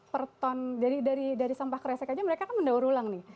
per ton dari sampah keresek saja mereka mendaur ulang nih